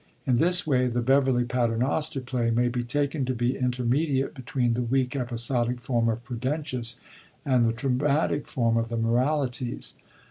In this way the Beverley Paiemoster play may be taken to be inter mediate between the weak episodic form of Prudentius and the dramatic form of the Moralities.